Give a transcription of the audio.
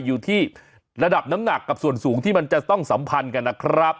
อยู่ที่ระดับน้ำหนักกับส่วนสูงที่มันจะต้องสัมพันธ์กันนะครับ